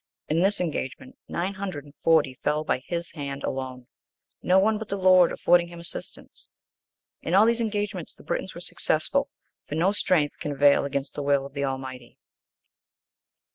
(11) In this engagement, nine hundred and forty fell by his hand alone, no one but the Lord affording him assistance. In all these engagements the Britons were successful. For no strength can avail against the will of the Almighty.